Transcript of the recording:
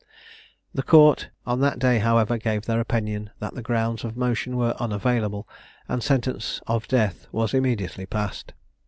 The court on that day, however, gave their opinion that the grounds of motion were unavailable, and sentence of death was immediately passed.